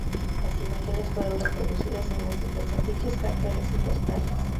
Las imágenes fueron reproducidas en múltiples afiches, carteles y postales.